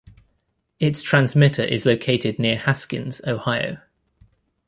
Its transmitter is located near Haskins, Ohio.